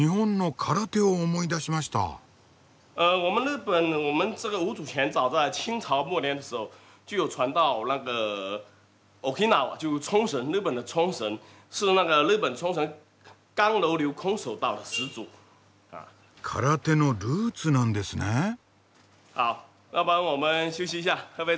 空手のルーツなんですねえ。